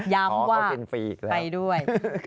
ย้ำว่าไปด้วย